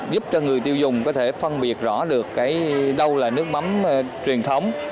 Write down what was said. giúp cho người tiêu dùng có thể phân biệt rõ được cái đâu là nước mắm truyền thống